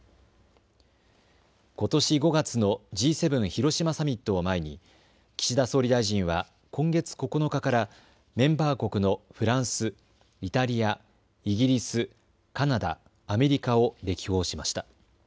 ことし５月のＧ７広島サミットを前に岸田総理大臣は今月９日からメンバー国のフランス、イタリア、イギリス、カナダ、アメリカを歴訪しました。